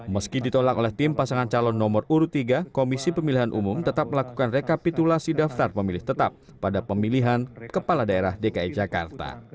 meski ditolak oleh tim pasangan calon nomor urut tiga komisi pemilihan umum tetap melakukan rekapitulasi daftar pemilih tetap pada pemilihan kepala daerah dki jakarta